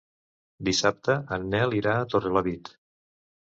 Dissabte en Nel irà a Torrelavit.